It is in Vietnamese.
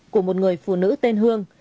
của một người phụ nữ tên hương